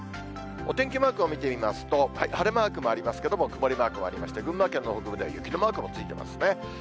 お天気マークを見てみますと、晴れマークもありますけれども、曇りマークもありまして、群馬県の北部では雪のマークもついていますね。